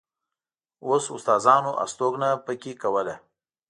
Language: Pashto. اوس استادانو استوګنه په کې کوله.